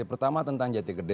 pertama tentang jati gede